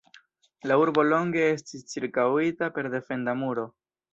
La urbo longe estis ĉirkaŭita per defenda muro.